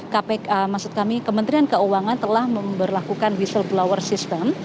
kpk maksud kami kementerian keuangan telah memperlakukan whistleblower system